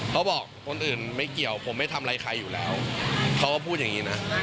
เขาบอกคนอื่นไม่เกี่ยวผมไม่ทำอะไรใครอยู่แล้วเขาก็พูดอย่างนี้นะ